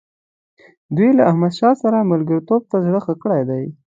دوی له احمدشاه سره ملګرتوب ته زړه ښه کړی دی.